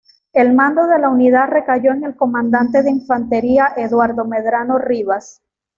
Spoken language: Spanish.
El mando de la unidad recayó en el comandante de infantería Eduardo Medrano Rivas.